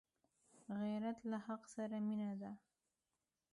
غیرت له حق سره مینه ده